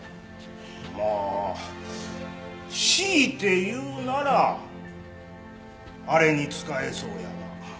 まあ強いて言うならあれに使えそうやが。